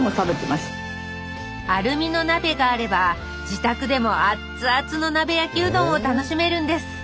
アルミの鍋があれば自宅でもアッツアツの鍋焼きうどんを楽しめるんです。